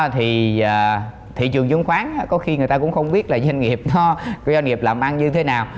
thì thị trường chứng khoán có khi người ta cũng không biết là doanh nghiệp làm ăn như thế nào